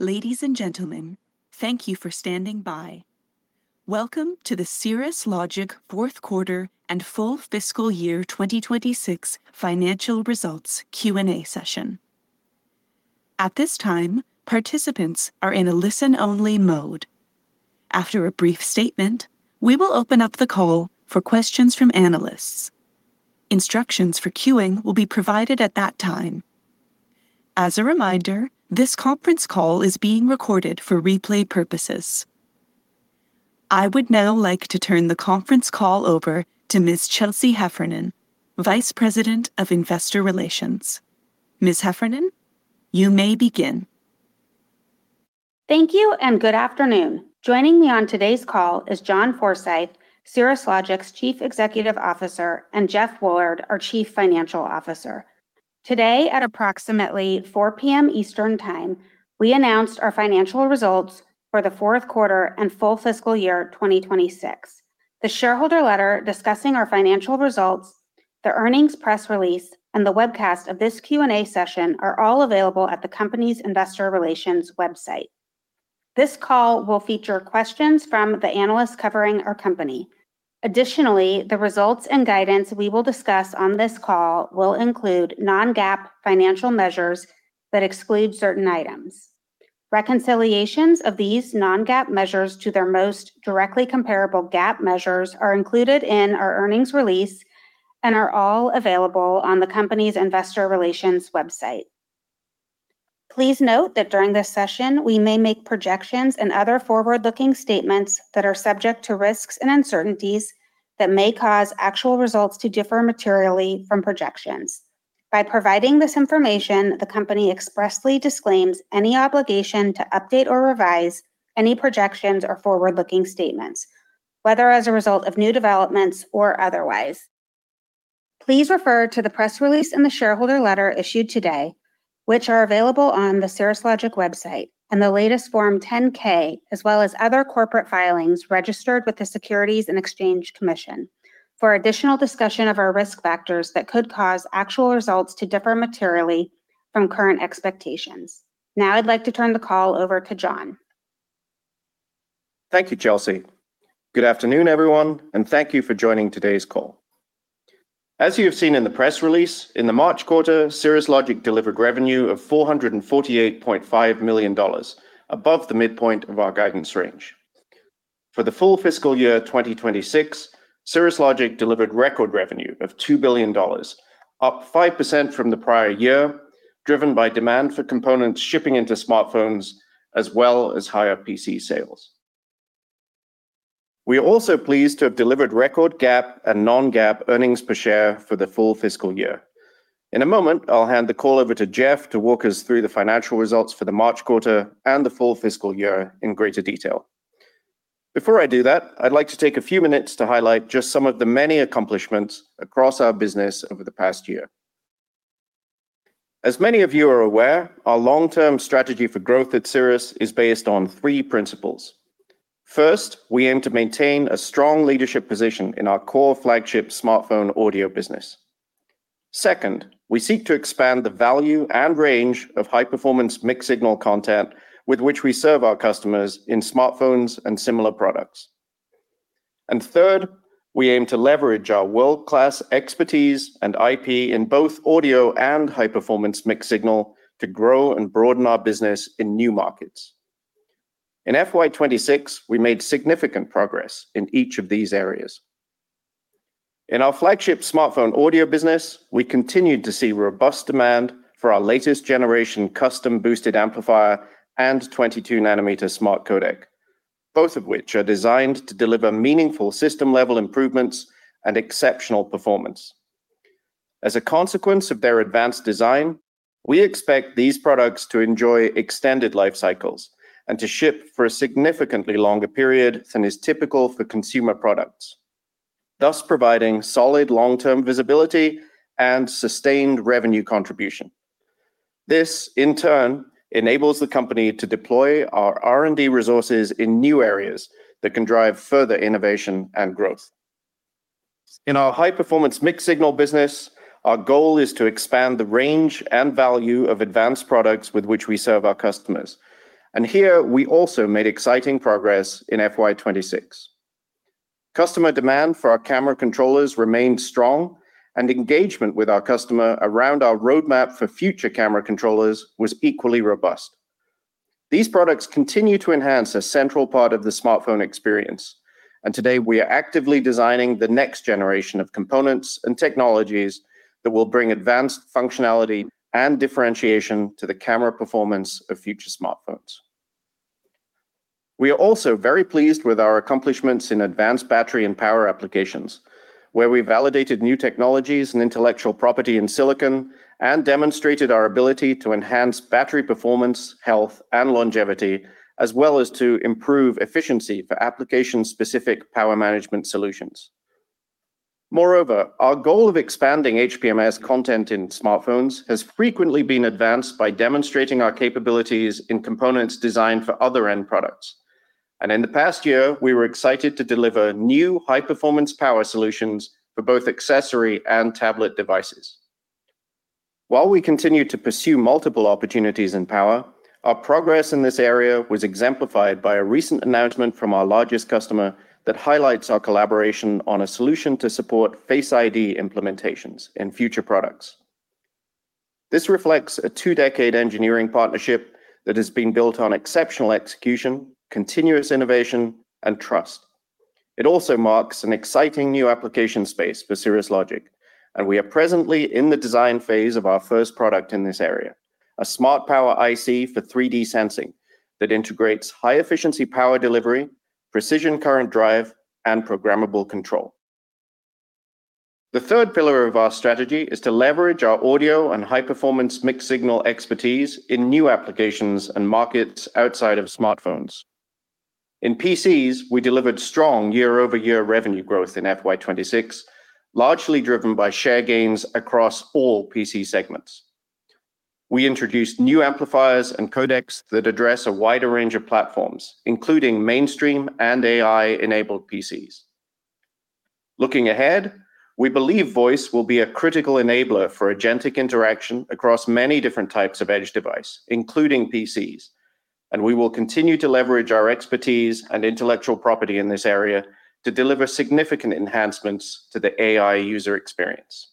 Ladies and gentlemen, thank you for standing by. Welcome to the Cirrus Logic Fourth Quarter and Full Fiscal Year 2026 Financial Results Q&A session. At this time, participants are in a listen-only mode. After a brief statement, we will open up the call for questions from analysts. Instructions for queuing will be provided at that time. As a reminder, this conference call is being recorded for replay purposes. I would now like to turn the conference call over to Ms. Chelsea Heffernan, Vice President of Investor Relations. Ms. Heffernan, you may begin. Thank you and good afternoon. Joining me on today's call is John Forsyth, Cirrus Logic's Chief Executive Officer, and Jeff Woolard, our Chief Financial Officer. Today at approximately 4:00 P.M. Eastern Time, we announced our financial results for the fourth quarter and full fiscal year 2026. The shareholder letter discussing our financial results, the earnings press release, and the webcast of this Q&A session are all available at the company's investor relations website. This call will feature questions from the analysts covering our company. Additionally, the results and guidance we will discuss on this call will include non-GAAP financial measures that exclude certain items. Reconciliations of these non-GAAP measures to their most directly comparable GAAP measures are included in our earnings release and are all available on the company's investor relations website. Please note that during this session, we may make projections and other forward-looking statements that are subject to risks and uncertainties that may cause actual results to differ materially from projections. By providing this information, the company expressly disclaims any obligation to update or revise any projections or forward-looking statements, whether as a result of new developments or otherwise. Please refer to the press release and the shareholder letter issued today, which are available on the Cirrus Logic website, and the latest Form 10-K, as well as other corporate filings registered with the Securities and Exchange Commission for additional discussion of our risk factors that could cause actual results to differ materially from current expectations. Now I'd like to turn the call over to John. Thank you, Chelsea. Good afternoon, everyone. Thank you for joining today's call. As you have seen in the press release, in the March quarter, Cirrus Logic delivered revenue of $448.5 million, above the midpoint of our guidance range. For the full fiscal year 2026, Cirrus Logic delivered record revenue of $2 billion, up 5% from the prior year, driven by demand for components shipping into smartphones as well as higher PC sales. We are also pleased to have delivered record GAAP and non-GAAP earnings per share for the full fiscal year. In a moment, I'll hand the call over to Jeff to walk us through the financial results for the March quarter and the full fiscal year in greater detail. Before I do that, I'd like to take a few minutes to highlight just some of the many accomplishments across our business over the past year. As many of you are aware, our long-term strategy for growth at Cirrus is based on three principles. First, we aim to maintain a strong leadership position in our core flagship smartphone audio business. Second, we seek to expand the value and range of high-performance mixed-signal content with which we serve our customers in smartphones and similar products. Third, we aim to leverage our world-class expertise and IP in both audio and high-performance mixed-signal to grow and broaden our business in new markets. In FY 2026, we made significant progress in each of these areas. In our flagship smartphone audio business, we continued to see robust demand for our latest generation custom boosted amplifier and 22 nm smart codec, both of which are designed to deliver meaningful system-level improvements and exceptional performance. As a consequence of their advanced design, we expect these products to enjoy extended life cycles and to ship for a significantly longer period than is typical for consumer products, thus providing solid long-term visibility and sustained revenue contribution. This, in turn, enables the company to deploy our R&D resources in new areas that can drive further innovation and growth. In our High-Performance Mixed-Signal business, our goal is to expand the range and value of advanced products with which we serve our customers, and here we also made exciting progress in FY 2026. Customer demand for our camera controllers remained strong, and engagement with our customer around our roadmap for future camera controllers was equally robust. These products continue to enhance a central part of the smartphone experience, and today we are actively designing the next generation of components and technologies that will bring advanced functionality and differentiation to the camera performance of future smartphones. We are also very pleased with our accomplishments in advanced battery and power applications, where we validated new technologies and intellectual property in silicon and demonstrated our ability to enhance battery performance, health, and longevity, as well as to improve efficiency for application-specific power management solutions. Moreover, our goal of expanding HPMS content in smartphones has frequently been advanced by demonstrating our capabilities in components designed for other end products. In the past year, we were excited to deliver new high-performance power solutions for both accessory and tablet devices. While we continue to pursue multiple opportunities in power, our progress in this area was exemplified by a recent announcement from our largest customer that highlights our collaboration on a solution to support Face ID implementations in future products. This reflects a two-decade engineering partnership that has been built on exceptional execution, continuous innovation, and trust. It also marks an exciting new application space for Cirrus Logic, and we are presently in the design phase of our first product in this area, a smart power IC for 3D sensing that integrates high-efficiency power delivery, precision current drive, and programmable control. The third pillar of our strategy is to leverage our audio and high-performance mixed signal expertise in new applications and markets outside of smartphones. In PCs, we delivered strong year-over-year revenue growth in FY 2026, largely driven by share gains across all PC segments. We introduced new amplifiers and codecs that address a wider range of platforms, including mainstream and AI-enabled PCs. Looking ahead, we believe voice will be a critical enabler for agentic interaction across many different types of edge device, including PCs, and we will continue to leverage our expertise and intellectual property in this area to deliver significant enhancements to the AI user experience.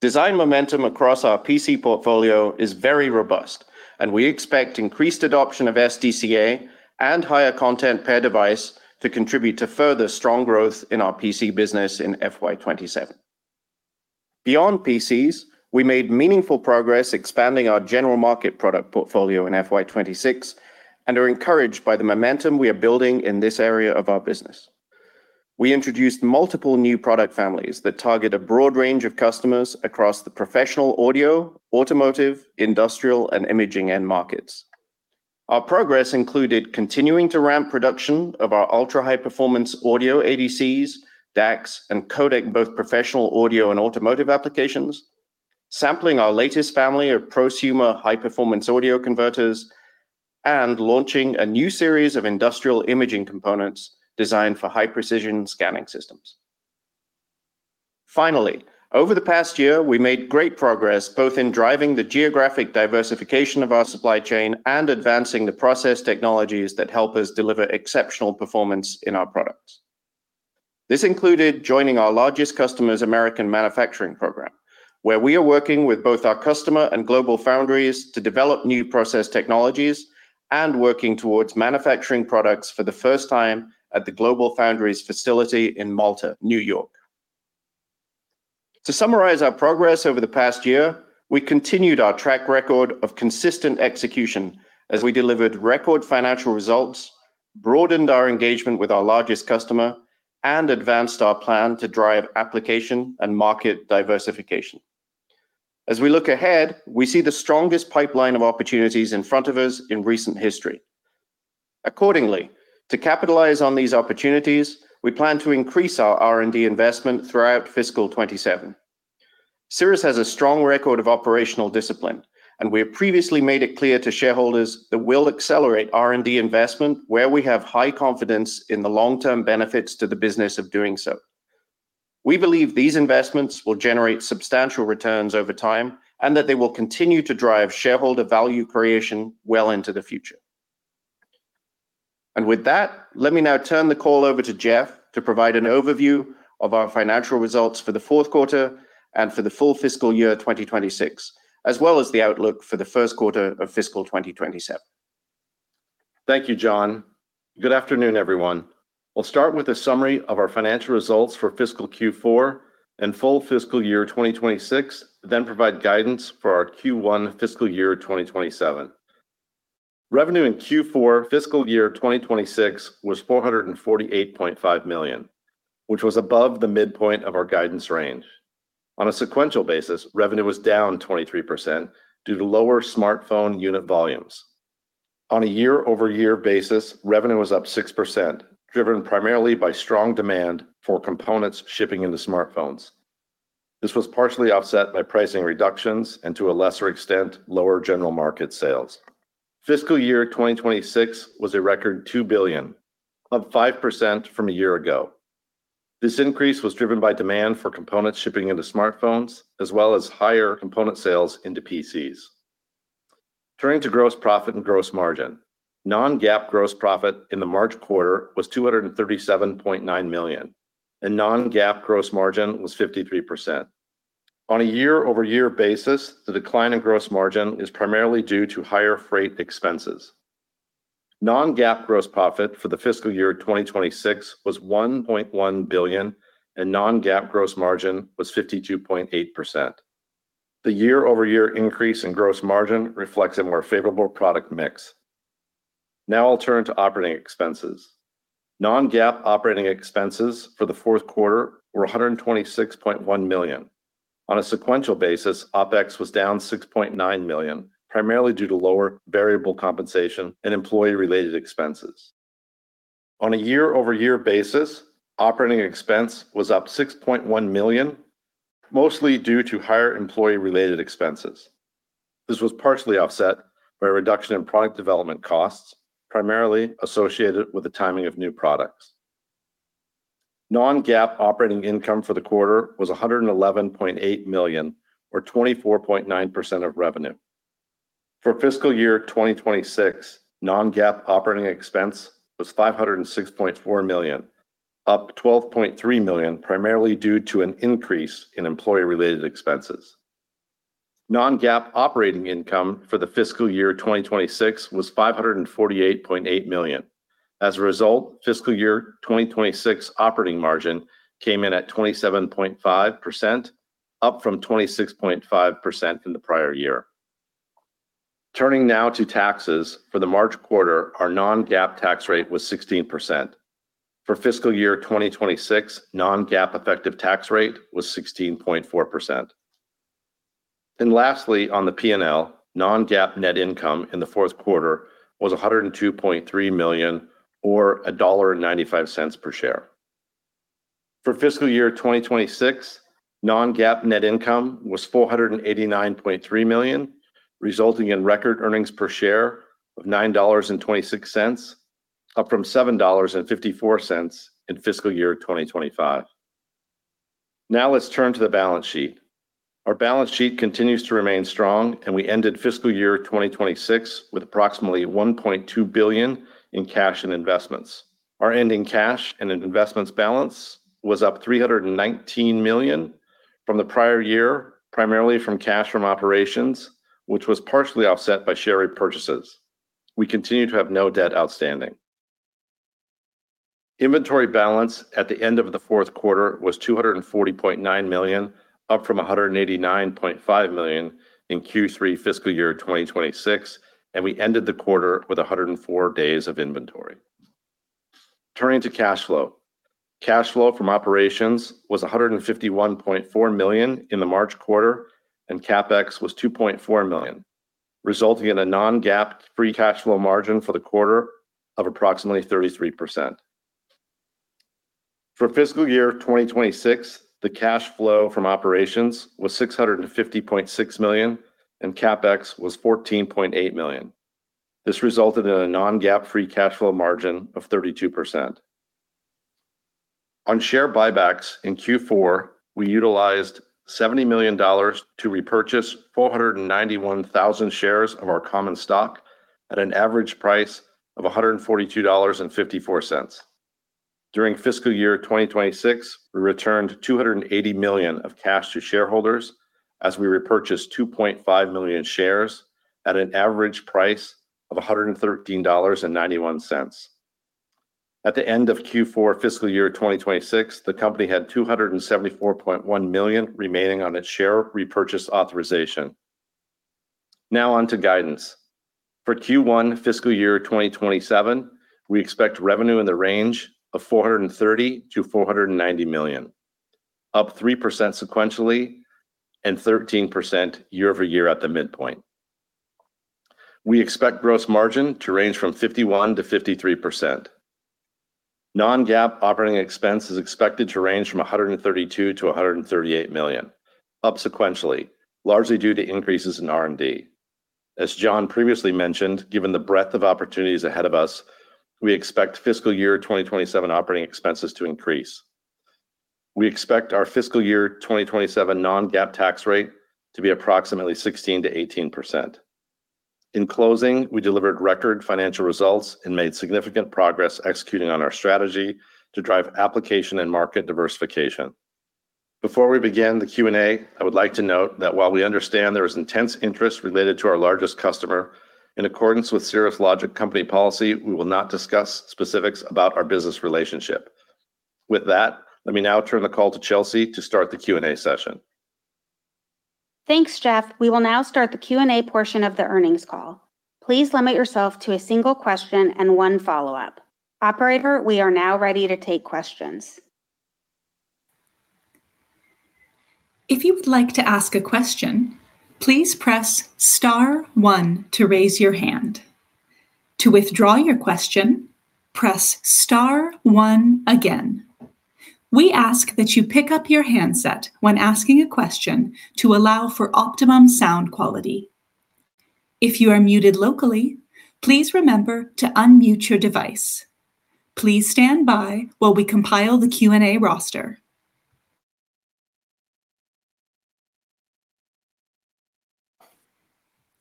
Design momentum across our PC portfolio is very robust, and we expect increased adoption of SDCA and higher content per device to contribute to further strong growth in our PC business in FY 2027. Beyond PCs, we made meaningful progress expanding our general market product portfolio in FY 2026 and are encouraged by the momentum we are building in this area of our business. We introduced multiple new product families that target a broad range of customers across the professional audio, automotive, industrial, and imaging end markets. Our progress included continuing to ramp production of our ultra-high performance audio ADCs, DACs, and codec, both professional audio and automotive applications, sampling our latest family of prosumer high-performance audio converters, and launching a new series of industrial imaging components designed for high-precision scanning systems. Finally, over the past year, we made great progress both in driving the geographic diversification of our supply chain and advancing the process technologies that help us deliver exceptional performance in our products. This included joining our largest customer's American Manufacturing Program, where we are working with both our customer and GlobalFoundries to develop new process technologies and working towards manufacturing products for the first time at the GlobalFoundries facility in Malta, N.Y. To summarize our progress over the past year, we continued our track record of consistent execution as we delivered record financial results, broadened our engagement with our largest customer, and advanced our plan to drive application and market diversification. As we look ahead, we see the strongest pipeline of opportunities in front of us in recent history. Accordingly, to capitalize on these opportunities, we plan to increase our R&D investment throughout fiscal 2027. Cirrus has a strong record of operational discipline, and we have previously made it clear to shareholders that we'll accelerate R&D investment where we have high confidence in the long-term benefits to the business of doing so. We believe these investments will generate substantial returns over time and that they will continue to drive shareholder value creation well into the future. With that, let me now turn the call over to Jeff to provide an overview of our financial results for the fourth quarter and for the full fiscal year 2026, as well as the outlook for the first quarter of fiscal 2027. Thank you, John. Good afternoon, everyone. I'll start with a summary of our financial results for fiscal Q4 and full fiscal year 2026, then provide guidance for our Q1 fiscal year 2027. Revenue in Q4 fiscal year 2026 was $448.5 million, which was above the midpoint of our guidance range. On a sequential basis, revenue was down 23% due to lower smartphone unit volumes. On a year-over-year basis, revenue was up 6%, driven primarily by strong demand for components shipping into smartphones. This was partially offset by pricing reductions and, to a lesser extent, lower general market sales. Fiscal year 2026 was a record $2 billion, up 5% from a year ago. This increase was driven by demand for components shipping into smartphones as well as higher component sales into PCs. Turning to gross profit and gross margin. Non-GAAP gross profit in the March quarter was $237.9 million, and non-GAAP gross margin was 53%. On a year-over-year basis, the decline in gross margin is primarily due to higher freight expenses. Non-GAAP gross profit for the fiscal year 2026 was $1.1 billion, and non-GAAP gross margin was 52.8%. The year-over-year increase in gross margin reflects a more favorable product mix. Now I'll turn to operating expenses. Non-GAAP operating expenses for the fourth quarter were $126.1 million. On a sequential basis, OpEx was down $6.9 million, primarily due to lower variable compensation and employee-related expenses. On a year-over-year basis, operating expense was up $6.1 million, mostly due to higher employee-related expenses. This was partially offset by a reduction in product development costs, primarily associated with the timing of new products. Non-GAAP operating income for the quarter was $111.8 million, or 24.9% of revenue. For fiscal year 2026, non-GAAP operating expense was $506.4 million, up $12.3 million, primarily due to an increase in employee-related expenses. Non-GAAP operating income for the fiscal year 2026 was $548.8 million. As a result, fiscal year 2026 operating margin came in at 27.5%, up from 26.5% in the prior year. Turning now to taxes, for the March quarter, our non-GAAP tax rate was 16%. For fiscal year 2026, non-GAAP effective tax rate was 16.4%. Lastly, on the P&L, non-GAAP net income in the fourth quarter was $102.3 million, or $1.95 per share. For fiscal year 2026, non-GAAP net income was $489.3 million, resulting in record earnings per share of $9.26, up from $7.54 in fiscal year 2025. Now let's turn to the balance sheet. Our balance sheet continues to remain strong, and we ended fiscal year 2026 with approximately $1.2 billion in cash and investments. Our ending cash and in investments balance was up $319 million from the prior year, primarily from cash from operations, which was partially offset by share repurchases. We continue to have no debt outstanding. Inventory balance at the end of the fourth quarter was $240.9 million, up from $189.5 million in Q3 fiscal year 2026, and we ended the quarter with 104 days of inventory. Turning to cash flow. Cash flow from operations was $151.4 million in the March quarter, and CapEx was $2.4 million, resulting in a non-GAAP free cash flow margin for the quarter of approximately 33%. For fiscal year 2026, the cash flow from operations was $650.6 million, and CapEx was $14.8 million. This resulted in a non-GAAP free cash flow margin of 32%. On share buybacks in Q4, we utilized $70 million to repurchase 491,000 shares of our common stock at an average price of $142.54. During fiscal year 2026, we returned $280 million of cash to shareholders as we repurchased 2.5 million shares at an average price of $113.91. At the end of Q4 fiscal year 2026, the company had $274.1 million remaining on its share repurchase authorization. Now on to guidance. For Q1 fiscal year 2027, we expect revenue in the range of $430 million-$490 million, up 3% sequentially and 13% year-over-year at the midpoint. We expect gross margin to range from 51%-53%. Non-GAAP operating expense is expected to range from $132 million-$138 million, up sequentially, largely due to increases in R&D. As John previously mentioned, given the breadth of opportunities ahead of us, we expect fiscal year 2026 operating expenses to increase. We expect our fiscal year 2027 non-GAAP tax rate to be approximately 16%-18%. In closing, we delivered record financial results and made significant progress executing on our strategy to drive application and market diversification. Before we begin the Q&A, I would like to note that while we understand there is intense interest related to our largest customer, in accordance with Cirrus Logic company policy, we will not discuss specifics about our business relationship. With that, let me now turn the call to Chelsea to start the Q&A session. Thanks, Jeff. We will now start the Q&A portion of the earnings call. Please limit yourself to a single question and one follow-up. Operator, we are now ready to take questions.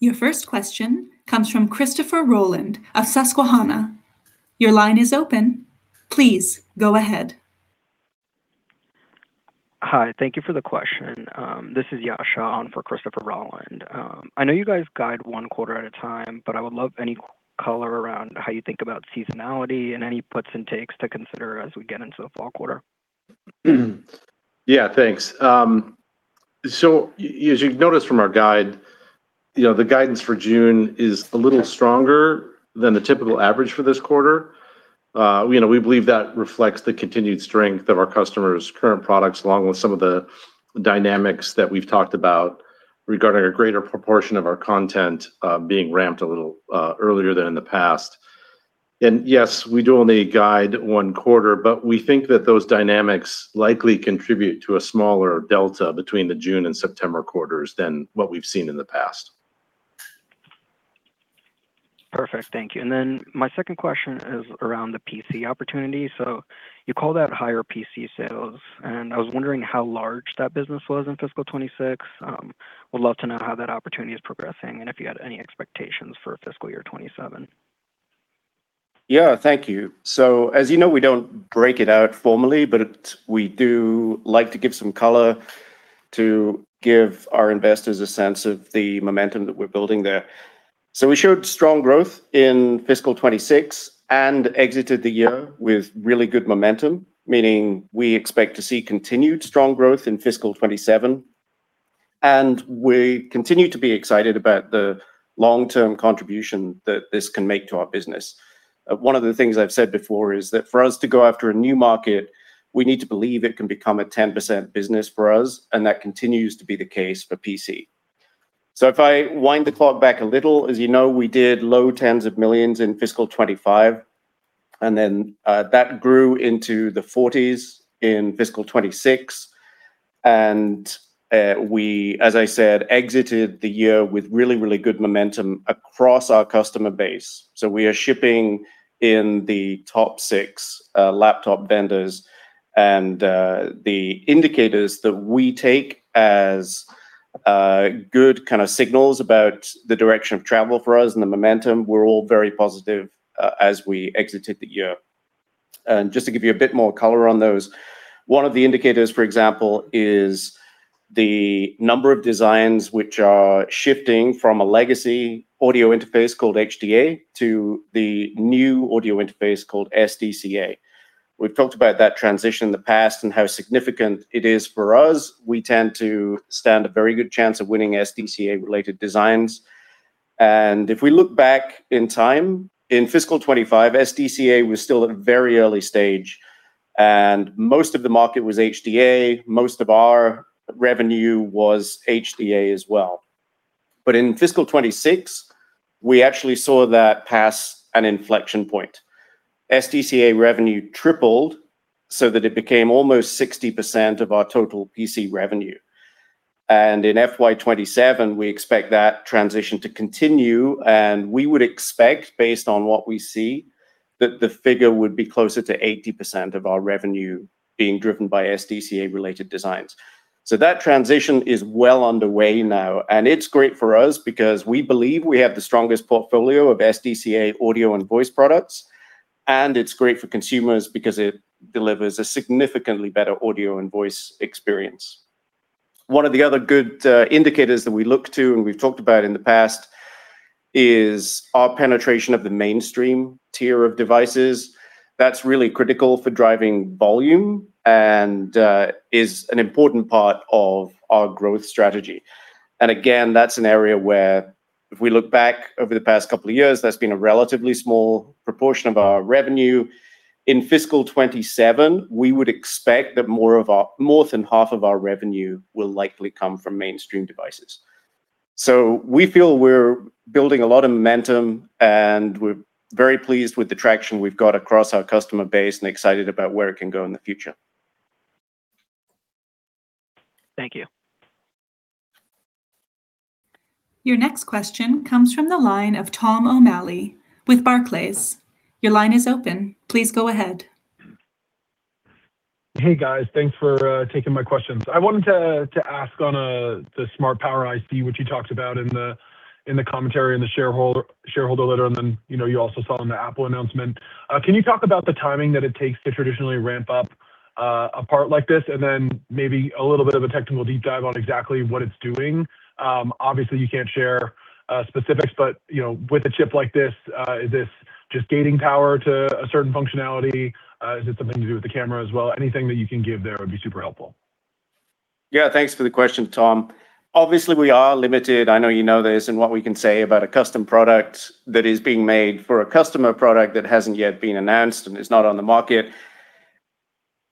Your first question comes from Christopher Rolland of Susquehanna. Your line is open. Please go ahead. Hi. Thank you for the question. This is Yash Shah on for Christopher Rolland. I know you guys guide one quarter at a time, but I would love any color around how you think about seasonality and any puts and takes to consider as we get into the fall quarter. Yeah, thanks. So as you've noticed from our guide, you know, the guidance for June is a little stronger than the typical average for this quarter. You know, we believe that reflects the continued strength of our customers' current products, along with some of the dynamics that we've talked about regarding a greater proportion of our content being ramped a little earlier than in the past. Yes, we do only guide one quarter, but we think that those dynamics likely contribute to a smaller delta between the June and September quarters than what we've seen in the past. Perfect. Thank you. My second question is around the PC opportunity. You call that higher PC sales, and I was wondering how large that business was in fiscal 2026. Would love to know how that opportunity is progressing and if you had any expectations for fiscal year 2027. Yeah. Thank you. As you know, we don't break it out formally, but we do like to give some color to give our investors a sense of the momentum that we're building there. We showed strong growth in fiscal 2026 and exited the year with really good momentum, meaning we expect to see continued strong growth in fiscal 2027. We continue to be excited about the long-term contribution that this can make to our business. One of the things I've said before is that for us to go after a new market, we need to believe it can become a 10% business for us, and that continues to be the case for PC. If I wind the clock back a little, as you know, we did low tens of million in fiscal 2025, and then that grew into the 40's in fiscal 2026. We, as I said, exited the year with really, really good momentum across our customer base. We are shipping in the top six laptop vendors and the indicators that we take as good kind of signals about the direction of travel for us and the momentum were all very positive as we exited the year. Just to give you a bit more color on those, one of the indicators, for example, is the number of designs which are shifting from a legacy audio interface called HDA to the new audio interface called SDCA. We've talked about that transition in the past and how significant it is for us. We tend to stand a very good chance of winning SDCA related designs. If we look back in time, in fiscal 2025, SDCA was still at a very early stage, and most of the market was HDA, most of our revenue was HDA as well. In fiscal 2026, we actually saw that pass an inflection point. SDCA revenue tripled so that it became almost 60% of our total PC revenue. In FY 2027, we expect that transition to continue, and we would expect, based on what we see, that the figure would be closer to 80% of our revenue being driven by SDCA related designs. That transition is well underway now, and it's great for us because we believe we have the strongest portfolio of SDCA audio and voice products, and it's great for consumers because it delivers a significantly better audio and voice experience. One of the other good indicators that we look to and we've talked about in the past is our penetration of the mainstream tier of devices. That's really critical for driving volume and is an important part of our growth strategy. Again, that's an area where if we look back over the past couple of years, that's been a relatively small proportion of our revenue. In fiscal 2027, we would expect that more than half of our revenue will likely come from mainstream devices. We feel we're building a lot of momentum, and we're very pleased with the traction we've got across our customer base and excited about where it can go in the future. Thank you. Your next question comes from the line of Tom O'Malley with Barclays. Your line is open. Please go ahead. Hey, guys. Thanks for taking my questions. I wanted to ask on the smart power IC, which you talked about in the commentary in the shareholder letter, you know, you also saw in the Apple announcement. Can you talk about the timing that it takes to traditionally ramp up a part like this? Maybe a little bit of a technical deep dive on exactly what it's doing. Obviously you can't share specifics, but, you know, with a chip like this, is this just gating power to a certain functionality? Is it something to do with the camera as well? Anything that you can give there would be super helpful. Yeah. Thanks for the question, Tom. Obviously, we are limited, I know you know this, in what we can say about a custom product that is being made for a customer product that hasn't yet been announced and is not on the market.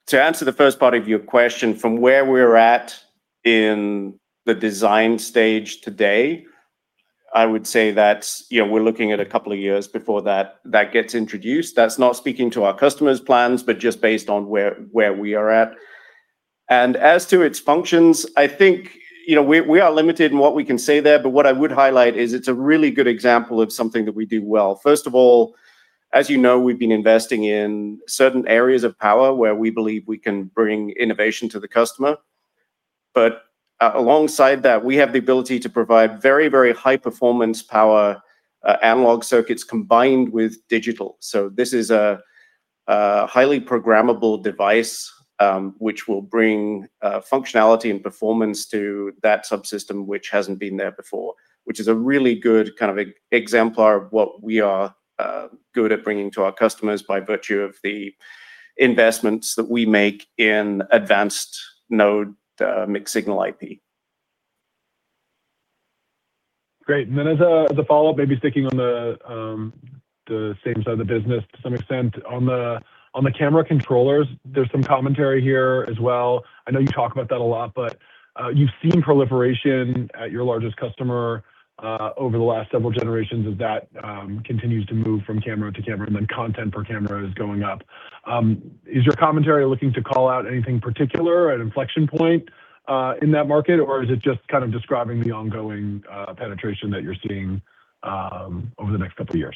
To answer the first part of your question, from where we're at in the design stage today, I would say that, you know, we're looking at a couple of years before that gets introduced. That's not speaking to our customers' plans, but just based on where we are at. As to its functions, I think, you know, we are limited in what we can say there, but what I would highlight is it's a really good example of something that we do well. First of all, as you know, we've been investing in certain areas of power where we believe we can bring innovation to the customer. Alongside that, we have the ability to provide very, very high performance power, analog circuits combined with digital. This is a highly programmable device, which will bring functionality and performance to that subsystem which hasn't been there before, which is a really good kind of exemplar of what we are good at bringing to our customers by virtue of the investments that we make in advanced node, mixed signal IP. Great. As a follow-up, maybe sticking on the same side of the business to some extent. On the camera controllers, there's some commentary here as well. I know you talk about that a lot, you've seen proliferation at your largest customer over the last several generations as that continues to move from camera to camera, and then content per camera is going up. Is your commentary looking to call out anything particular, an inflection point in that market? Or is it just kind of describing the ongoing penetration that you're seeing over the next couple of years?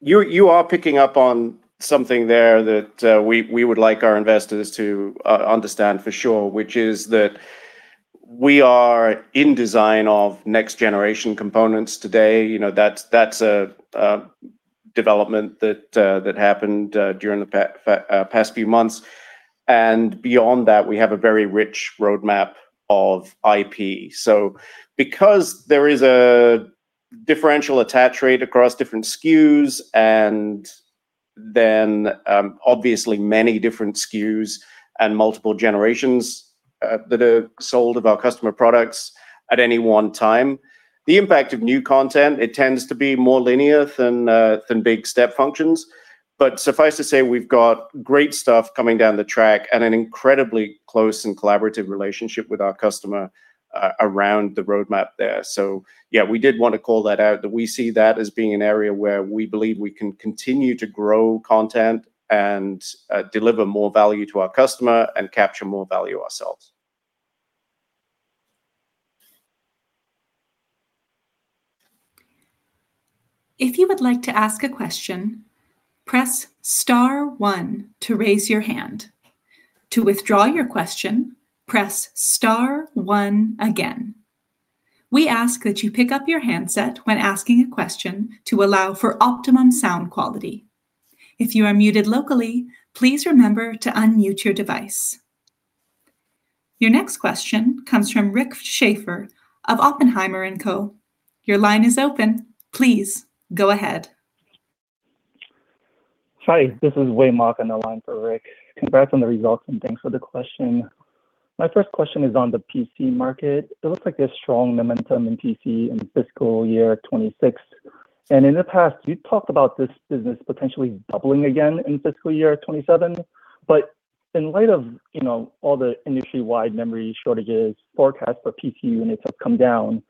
You are picking up on something there that we would like our investors to understand for sure, which is that we are in design of next generation components today. You know, that's a development that happened during the past few months. Beyond that, we have a very rich roadmap of IP. Because there is a differential attach rate across different SKUs, and then, obviously many different SKUs and multiple generations that are sold of our customer products at any one time, the impact of new content, it tends to be more linear than big step functions. Suffice to say, we've got great stuff coming down the track and an incredibly close and collaborative relationship with our customer around the roadmap there. Yeah, we did want to call that out, that we see that as being an area where we believe we can continue to grow content and deliver more value to our customer and capture more value ourselves. If you would like to ask a question, press star one to raise your hand. To withdraw your question, press star one again. We ask that pick up your headset when asking a question to allow optimum sound quality. If you are muted locally, please remember to unmute your device. Your next question comes from Rick Schafer of Oppenheimer & Co. Your line is open. Please go ahead. Sorry, this is Wei Mok on the line for Rick. Congrats on the results, and thanks for the question. My first question is on the PC market. It looks like there's strong momentum in PC in fiscal year 2026. In the past, you've talked about this business potentially doubling again in fiscal year 2027. In light of, you know, all the industry-wide memory shortages, forecasts for PC units have come down.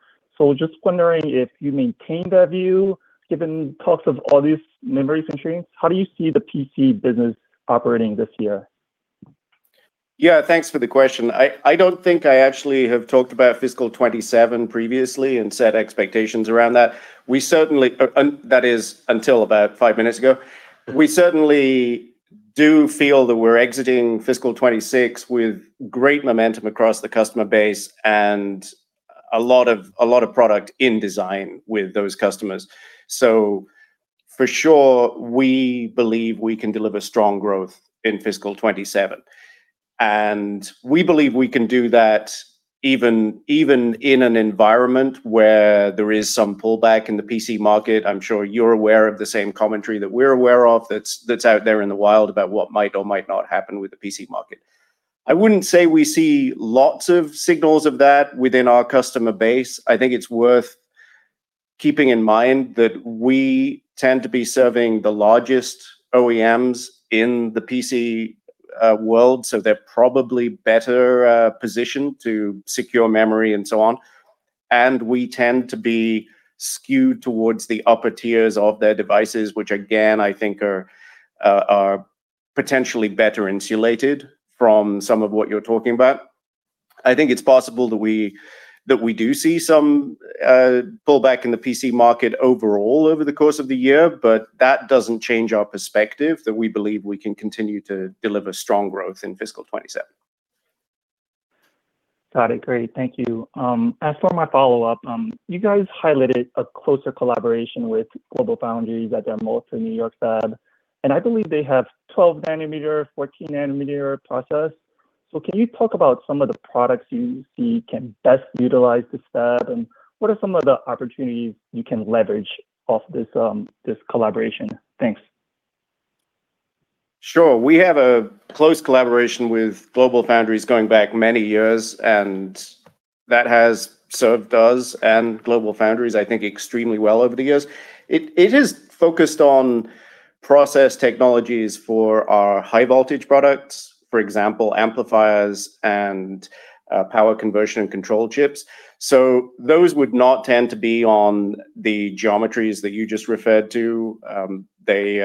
Just wondering if you maintain that view, given talks of all these memory constraints. How do you see the PC business operating this year? Yeah, thanks for the question. I don't think I actually have talked about fiscal 2027 previously and set expectations around that. That is, until about five minutes ago. We certainly do feel that we're exiting fiscal 2026 with great momentum across the customer base and a lot of product in design with those customers. For sure, we believe we can deliver strong growth in fiscal 2027. We believe we can do that even in an environment where there is some pullback in the PC market. I'm sure you're aware of the same commentary that we're aware of that's out there in the wild about what might or might not happen with the PC market. I wouldn't say we see lots of signals of that within our customer base. I think it's worth keeping in mind that we tend to be serving the largest OEMs in the PC world, so they're probably better positioned to secure memory and so on. We tend to be skewed towards the upper tiers of their devices, which again, I think are potentially better insulated from some of what you're talking about. I think it's possible that we, that we do see some pullback in the PC market overall over the course of the year, but that doesn't change our perspective that we believe we can continue to deliver strong growth in fiscal 2027. Got it. Great. Thank you. As for my follow-up, you guys highlighted a closer collaboration with GlobalFoundries at their Malta, N.Y. fab, and I believe they have 12 nm, 14 nm process. Can you talk about some of the products you see can best utilize this fab, and what are some of the opportunities you can leverage off this collaboration? Thanks. Sure. We have a close collaboration with GlobalFoundries going back many years. That has served us and GlobalFoundries, I think, extremely well over the years. It is focused on process technologies for our high-voltage products, for example, amplifiers and power conversion and control chips. Those would not tend to be on the geometries that you just referred to. They,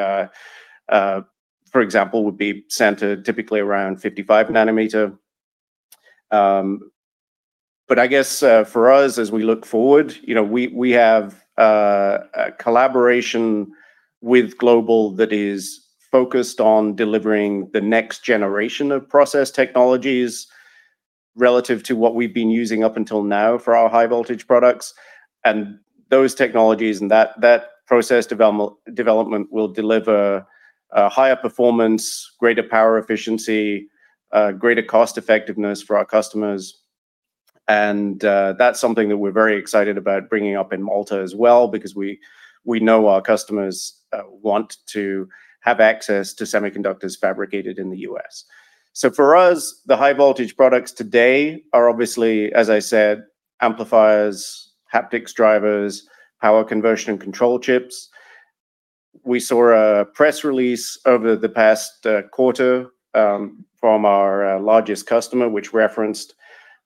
for example, would be centered typically around 55 nm. I guess, for us, as we look forward, you know, we have a collaboration with Global that is focused on delivering the next generation of process technologies relative to what we've been using up until now for our high-voltage products. Those technologies and that process development will deliver higher performance, greater power efficiency, greater cost effectiveness for our customers. That's something that we're very excited about bringing up in Malta as well because we know our customers want to have access to semiconductors fabricated in the U.S. For us, the high-voltage products today are obviously, as I said, amplifiers, haptics drivers, power conversion and control chips. We saw a press release over the past quarter from our largest customer, which referenced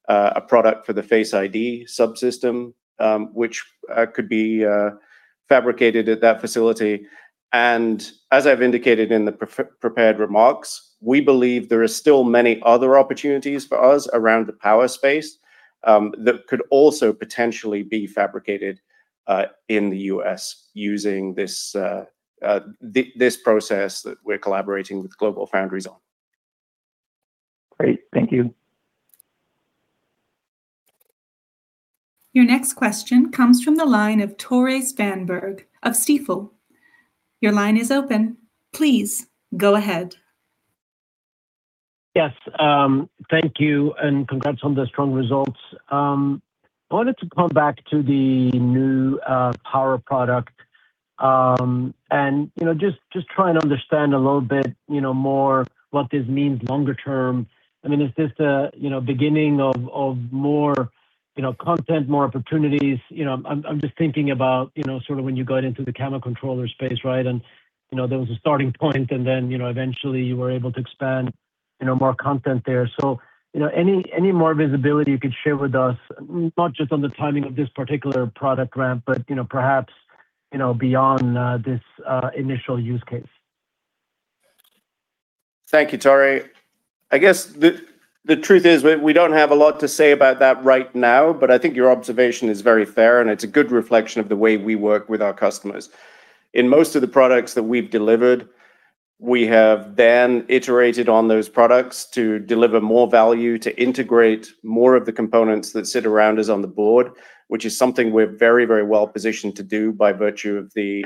a product for the Face ID subsystem, which could be fabricated at that facility. As I've indicated in the prepared remarks, we believe there are still many other opportunities for us around the power space that could also potentially be fabricated in the U.S. using this process that we're collaborating with GlobalFoundries on. Great. Thank you. Your next question comes from the line of Tore Svanberg of Stifel. Your line is open. Please go ahead. Yes. Thank you, congrats on the strong results. I wanted to come back to the new power product. You know, just try and understand a little bit, you know, more what this means longer term. I mean, is this the, you know, beginning of more, you know, content, more opportunities? You know, I'm just thinking about, you know, sort of when you got into the camera controller space, right, you know, there was a starting point then, you know, eventually you were able to expand, you know, more content there. You know, any more visibility you could share with us, not just on the timing of this particular product ramp, but, you know, perhaps, you know, beyond this initial use case? Thank you, Tore. I guess the truth is we don't have a lot to say about that right now, but I think your observation is very fair, and it's a good reflection of the way we work with our customers. In most of the products that we've delivered, we have then iterated on those products to deliver more value, to integrate more of the components that sit around us on the board, which is something we're very, very well positioned to do by virtue of the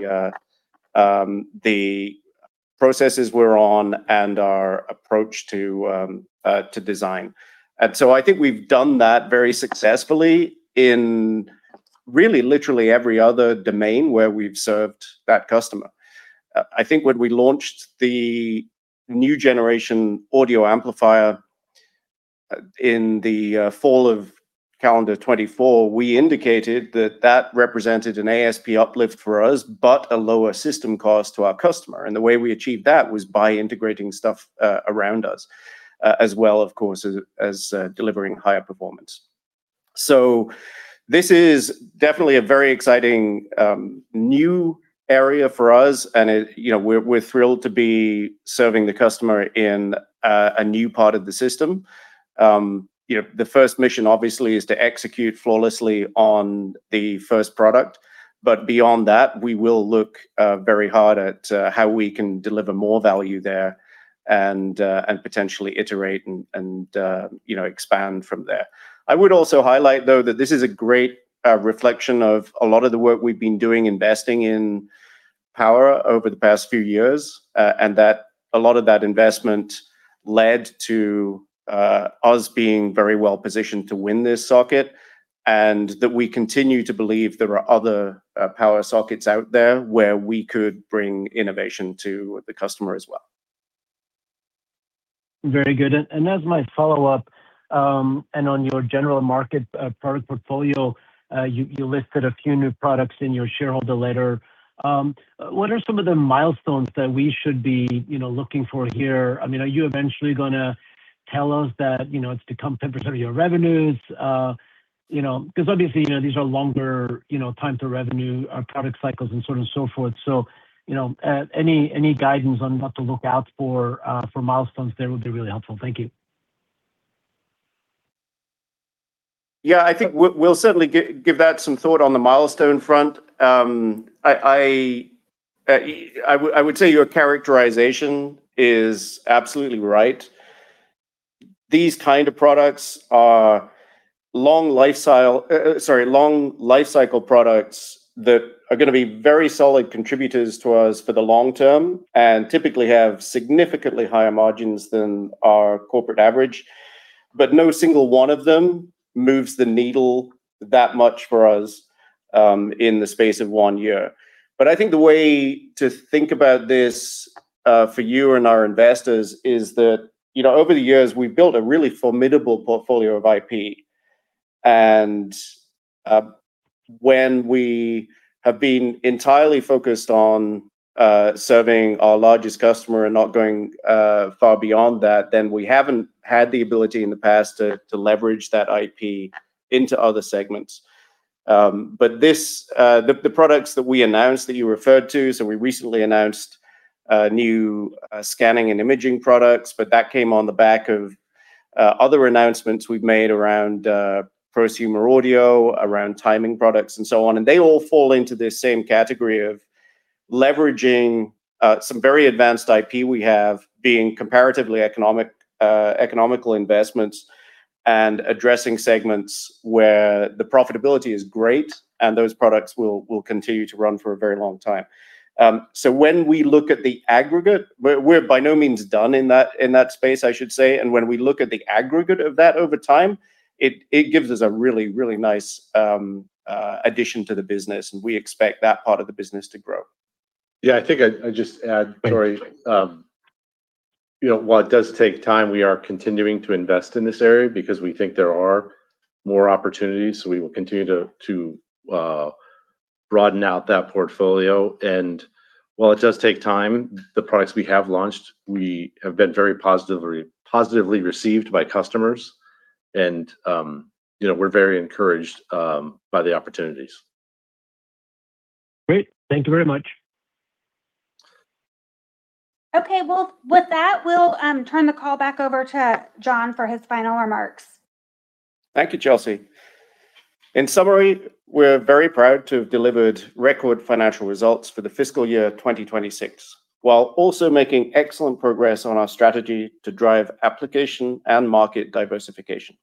processes we're on and our approach to design. I think we've done that very successfully in really literally every other domain where we've served that customer. I think when we launched the new generation audio amplifier in the fall of calendar 2024, we indicated that that represented an ASP uplift for us, but a lower system cost to our customer, and the way we achieved that was by integrating stuff around us, as well, of course, as delivering higher performance. This is definitely a very exciting new area for us. You know, we're thrilled to be serving the customer in a new part of the system. You know, the first mission obviously is to execute flawlessly on the first product. Beyond that, we will look very hard at how we can deliver more value there and potentially iterate and, you know, expand from there. I would also highlight, though, that this is a great reflection of a lot of the work we've been doing investing in power over the past few years, and that a lot of that investment led to us being very well positioned to win this socket and that we continue to believe there are other power sockets out there where we could bring innovation to the customer as well. Very good. As my follow-up, and on your general market product portfolio, you listed a few new products in your shareholder letter. What are some of the milestones that we should be, you know, looking for here? I mean, are you eventually gonna tell us that, you know, it's become 10% of your revenues? You know, 'cause obviously, you know, these are longer, you know, time to revenue product cycles and so on and so forth. You know, any guidance on what to look out for for milestones there would be really helpful. Thank you. Yeah. I think we'll certainly give that some thought on the milestone front. I would say your characterization is absolutely right. These kind of products are long lifestyle, sorry, long lifecycle products that are gonna be very solid contributors to us for the long term and typically have significantly higher margins than our corporate average. No single one of them moves the needle that much for us in the space of one year. I think the way to think about this, for you and our investors is that, you know, over the years, we've built a really formidable portfolio of IP, and, when we have been entirely focused on, serving our largest customer and not going, far beyond that, then we haven't had the ability in the past to leverage that IP into other segments. This, the products that we announced that you referred to, we recently announced new scanning and imaging products, that came on the back of other announcements we've made around prosumer audio, around timing products and so on, they all fall into this same category of leveraging some very advanced IP we have being comparatively economical investments, and addressing segments where the profitability is great and those products will continue to run for a very long time. When we look at the aggregate, we're by no means done in that space, I should say, when we look at the aggregate of that over time, it gives us a really, really nice addition to the business, and we expect that part of the business to grow. Yeah. I think I'd just add, Tore. Thank you. You know, while it does take time, we are continuing to invest in this area because we think there are more opportunities, so we will continue to broaden out that portfolio. While it does take time, the products we have launched, we have been very positively received by customers and, you know, we're very encouraged by the opportunities. Great. Thank you very much. Okay. Well, with that, we'll turn the call back over to John for his final remarks. Thank you, Chelsea. In summary, we're very proud to have delivered record financial results for the fiscal year 2026, while also making excellent progress on our strategy to drive application and market diversification.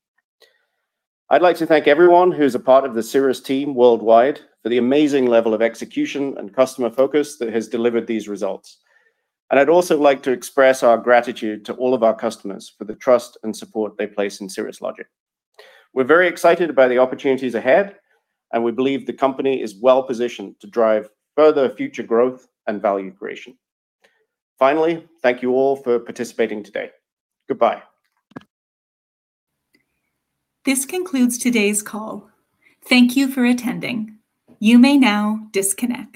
I'd like to thank everyone who's a part of the Cirrus team worldwide for the amazing level of execution and customer focus that has delivered these results, and I'd also like to express our gratitude to all of our customers for the trust and support they place in Cirrus Logic. We're very excited about the opportunities ahead, and we believe the company is well-positioned to drive further future growth and value creation. Finally, thank you all for participating today. Goodbye. This concludes today's call. Thank you for attending. You may now disconnect.